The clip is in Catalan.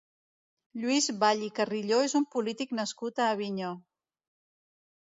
Lluís Vall i Carrillo és un polític nascut a Avinyó.